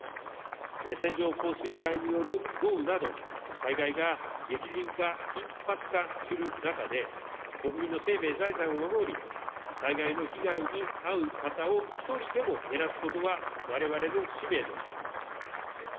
線状降水帯による豪雨など、災害が激甚化・頻発化する中で、国民の生命・財産を守り、災害の被害に遭う方を一人でも減らすことは、われわれの使命です。